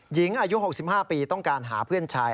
หญิงอายุ๖๕ปีต้องการหาเพื่อนชาย